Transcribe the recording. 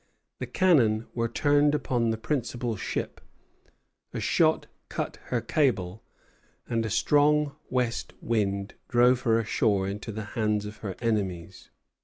The cannon were turned upon the principal ship; a shot cut her cable, and a strong west wind drove her ashore into the hands of her enemies.